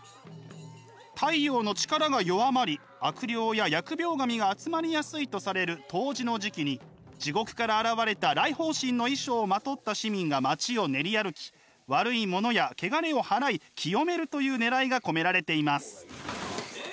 太陽の力が弱まり悪霊や疫病神が集まりやすいとされる冬至の時期に地獄から現れた来訪神の衣装をまとった市民が街を練り歩き悪いものやケガレをはらい清めるというねらいが込められています。